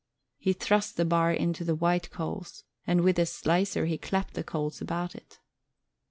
He thrust the bar into the white coals and with the slicer he clapped the coals about it.